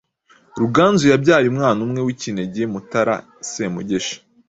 Ruganzu yabyaye umwana umwe w’ikinege Mutara I Semugeshi